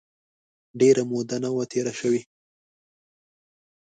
ډېره موده نه وه تېره سوې.